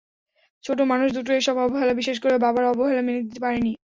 ছোট মানুষ দুটো এসব অবহেলা, বিশেষ করে বাবার অবহেলা মেনে নিতে পারেনি।